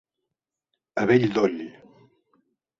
A bell doll.